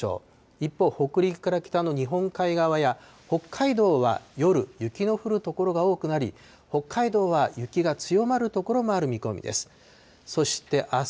一方、北陸から北の日本海側や北海道は夜、雪の降る所が多くなり、北海道は雪が強まる所もある見込みです。